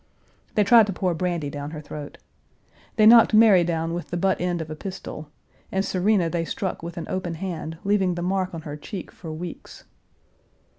They tried to pour brandy down her throat. They knocked Mary down with the butt end of a pistol, and Serena they struck with an open hand, leaving the mark on her cheek for weeks.